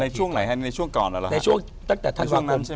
ในช่วงไหนในช่วงก่อนหรอครับ